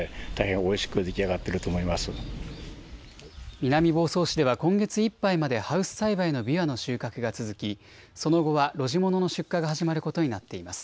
南房総市では、今月いっぱいまでハウス栽培のびわの収穫が続き、その後は露地物の出荷が始まることになっています。